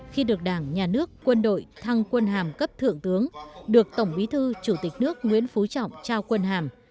khi được đảng nhà nước quân đội thăng quân hàm cấp thượng tướng được tổng bí thư chủ tịch nước nguyễn phú trọng trao quân hàm